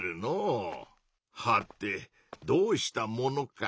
はてどうしたものか。